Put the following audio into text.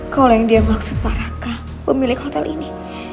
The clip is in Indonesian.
kalau yang dia maksud pak raka pemilik hotel ini